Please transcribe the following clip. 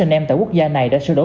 h m tại quốc gia này đã sửa đổi